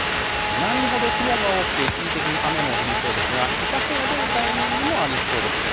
南ほど雲が多くて一時的に雨も降りそうですが、日ざしが出るタイミングもありそうです。